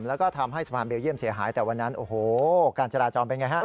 แล้วก็ทำให้สะพานเบลเยี่ยมเสียหายแต่วันนั้นการจราจอมเป็นอย่างไร